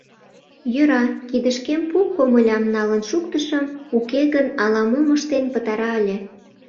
Йӧра, кидышкем пу комылям налын шуктышым, уке гын ала-мом ыштен пытара ыле.